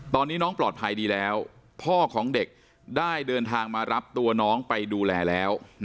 ตอนนี้น้องปลอดภัยดีแล้วพ่อของเด็กได้เดินทางมารับตัวน้องไปดูแลแล้ว